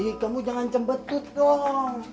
ih kamu jangan cembetut dong